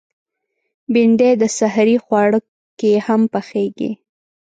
بېنډۍ د سحري خواړه کې هم پخېږي